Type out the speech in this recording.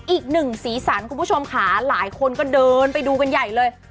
อีกหนึ่งสีสันคุณผู้ชมค่ะหลายคนก็เดินไปดูกันใหญ่เลย